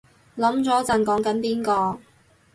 諗咗陣講緊邊個